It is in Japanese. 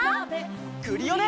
クリオネ！